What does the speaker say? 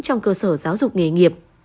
trong cơ sở giáo dục nghề nghiệp